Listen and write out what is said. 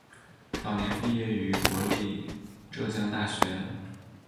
早年毕业于国立浙江大学。